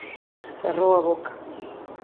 Cerrou a boca.